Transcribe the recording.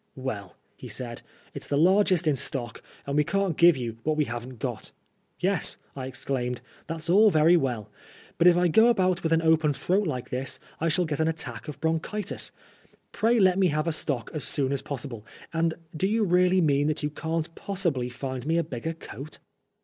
" Well," he said, " it's the largest in stock, and we can't give you what we haven't got." " Yes," I exclaimed, that's all very well ; but if I go about with an open throat like this I shall get an attack of bronchitis. Ftbj let me have a stock as soon as possible. And do you really mean that you can't possibly find me a bigger coat